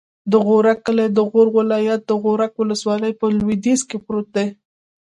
د غورک کلی د غور ولایت، غورک ولسوالي په لویدیځ کې پروت دی.